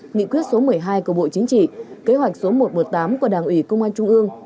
nghị quyết số một mươi hai của bộ chính trị kế hoạch số một trăm một mươi tám của đảng ủy công an trung ương